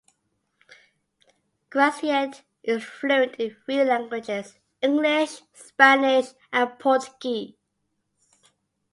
Graciette is fluent in three languages, English, Spanish and Portuguese.